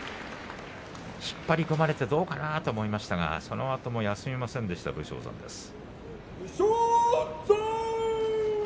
引っ張り込まれてどうかなと思いましたがそのあとも休みませんでした武将山です。